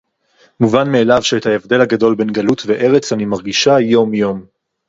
מובן מאליו שאת ההבדל הגדול בין גלות וארץ אני מרגישה יום יום